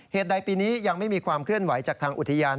เหตุใดปีนี้ยังไม่มีความเคลื่อนไหวจากทางอุทยาน